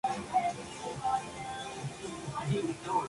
Autores salvadoreños le han dedicado parte de su obra.